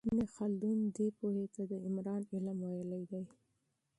ابن خلدون دې پوهې ته د عمران علم ویلی دی.